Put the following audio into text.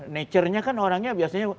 nature nya kan orangnya biasanya